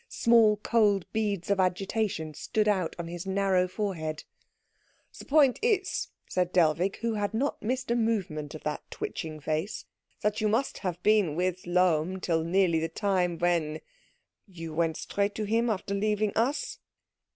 Small cold beads of agitation stood out on his narrow forehead. "The point is," said Dellwig, who had not missed a movement of that twitching face, "that you must have been with Lohm nearly till the time when you went straight to him after leaving us?"